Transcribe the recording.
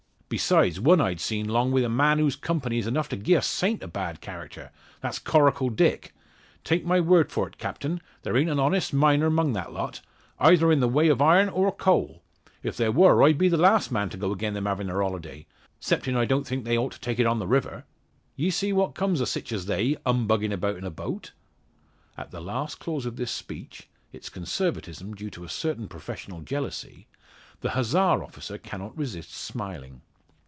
Besides, one I've seed 'long wi' a man whose company is enough to gi'e a saint a bad character that's Coracle Dick. Take my word for't, Captain, there ain't a honest miner 'mong that lot eyther in the way of iron or coal. If there wor I'd be the last man to go again them havin' their holiday; 'cepting I don't think they ought to take it on the river. Ye see what comes o' sich as they humbuggin' about in a boat?" At the last clause of this speech its Conservatism due to a certain professional jealousy the Hussar officer cannot resist smiling.